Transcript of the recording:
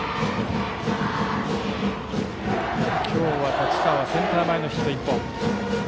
今日の太刀川はセンター前ヒットが１本。